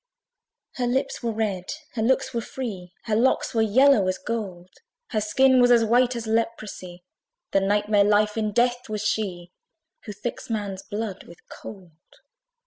Her lips were red, her looks were free, Her locks were yellow as gold: Her skin was as white as leprosy, The Night Mare LIFE IN DEATH was she, Who thicks man's blood with cold.